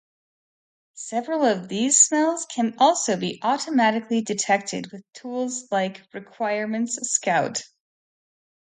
Several of these smells can also be automatically detected with tools like "Requirements Scout".